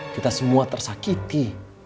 kita semua tersakiti